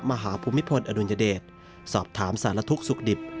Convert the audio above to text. ภูมิพลอดุลยเดชสอบถามสารทุกข์สุขดิบ